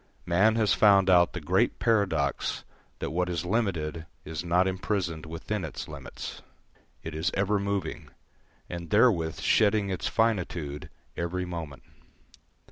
Man has found out the great paradox that what is limited is not imprisoned within its limits; it is ever moving, and therewith shedding its finitude every moment.